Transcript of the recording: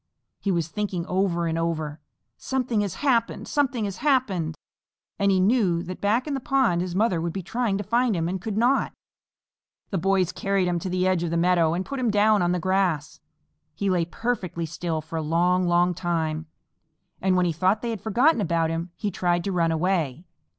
He was thinking over and over, "Something has happened! Something has happened!" And he knew that back in the pond his mother would be trying to find him and could not. The boys carried him to the edge of the meadow and put him down on the grass. He lay perfectly still for a long, long time, and when he thought they had forgotten about him he tried to run away.